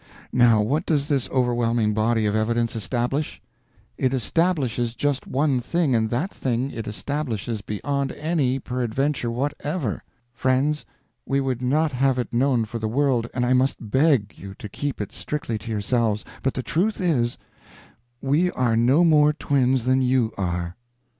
Now what does this overwhelming body of evidence establish? It establishes just one thing, and that thing it establishes beyond any peradventure whatever. Friends, we would not have it known for the world, and I must beg you to keep it strictly to yourselves, but the truth is, we are no more twins than you are."